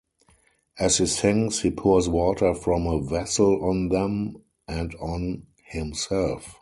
As he sings he pours water from a vessel on them and on himself.